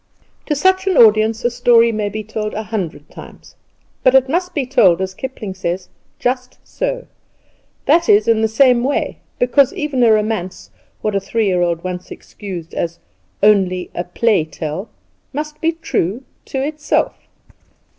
To such an audience a story may be told a hundred times, but it must be told, as Kipling says, "Just so!" that is, in the same way; because, even a romance (what a three year old once excused as "only a play tell") must be true to itself!